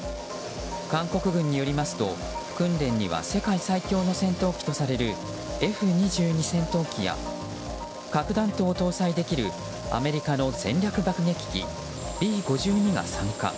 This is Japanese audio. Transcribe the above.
韓国軍によりますと、訓練には世界最強の戦闘機とされるＦ２２戦闘機や核弾頭を搭載できるアメリカの戦略爆撃機Ｂ５２が参加。